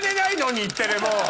日テレもう。